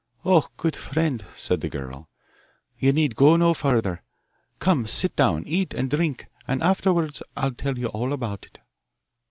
'Oh, good friend,' said the girl, 'you need go no farther. Come, sit down, eat and drink, and afterwards I'll tell you all about it.